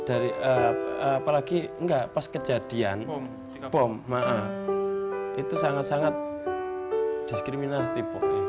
apalagi pas kejadian bom itu sangat sangat diskriminasi